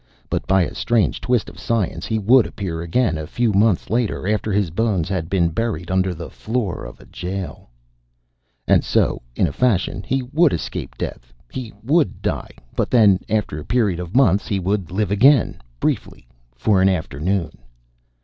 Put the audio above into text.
But by a strange twist of science he would appear again, a few months later, after his bones had been buried under the floor of a jail. And so, in a fashion, he would escape death. He would die, but then, after a period of months, he would live again, briefly, for an afternoon.